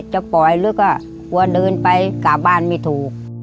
จะปล่อยลึกก็กลัวเดินไปกลับบ้านไม่ถูก